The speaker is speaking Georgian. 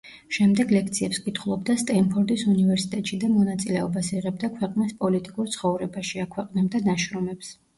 შემდეგ ლექციებს კითხულობდა სტენფორდის უნივერსიტეტში და მონაწილეობას იღებდა ქვეყნის პოლიტიკურ ცხოვრებაში, აქვეყნებდა ნაშრომებს.